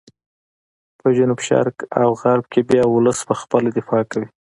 په جنوب شرق او غرب کې بیا ولس په خپله دفاع کوي.